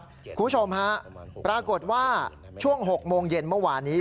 คุณผู้ชมฮะปรากฏว่าช่วง๖โมงเย็นเมื่อวานนี้